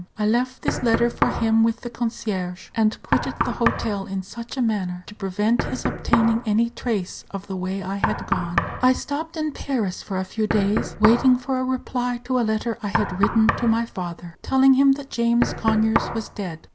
I left this letter for him with the concierge, and quitted the hotel in such a manner as to prevent his obtaining any trace of the way I had gone. I stopped in Paris for a few days, waiting for a reply to a letter I had written to my father, telling him that James Conyers was dead.